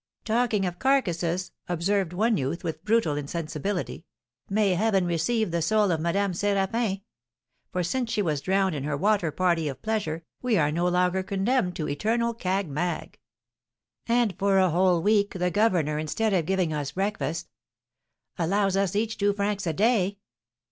"Talking of carcasses," observed one youth, with brutal insensibility, "may heaven receive the soul of Madame Séraphin! For since she was drowned in her water party of pleasure, we are no longer condemned to eternal 'cag mag.'" "And, for a whole week, the governor, instead of giving us breakfast " "Allows us each two francs a day."